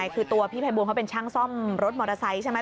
คือตัวพี่ภัยบูลเขาเป็นช่างซ่อมรถมอเตอร์ไซค์ใช่ไหม